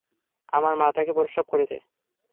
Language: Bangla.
আমার মা তাকে প্রসব করেছে।